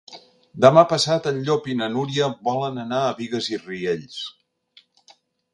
Demà passat en Llop i na Núria volen anar a Bigues i Riells.